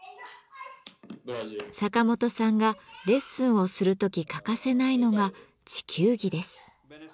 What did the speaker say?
サカモトさんがレッスンをする時欠かせないのが地球儀です。